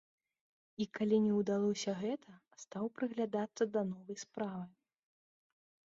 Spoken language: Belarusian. І калі не ўдалося гэта, стаў прыглядацца да новай справы.